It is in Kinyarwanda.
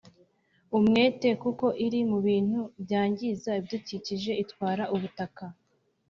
umwete kuko iri mu bintu byangiza ibidukikije itwara ubutaka,